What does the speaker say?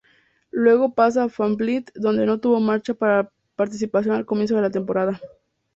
Luego pasó a Banfield, donde no tuvo mucha participación al comienzo de la temporada.